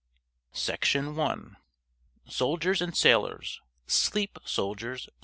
Scholz_ 198 SOLDIERS AND SAILORS Sleep, soldiers!